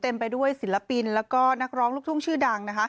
เต็มไปด้วยศิลพินศ์และก็นักร้องลูกทุ่งชื่อดัง